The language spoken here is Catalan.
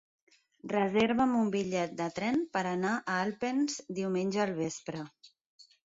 Reserva'm un bitllet de tren per anar a Alpens diumenge al vespre.